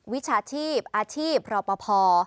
วิชาชีพอาชีพรอปภ